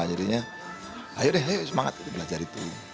jadi ayo deh semangat belajar itu